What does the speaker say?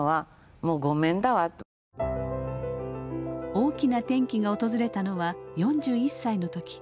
大きな転機が訪れたのは４１歳の時。